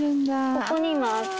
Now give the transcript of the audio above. ここに今あって。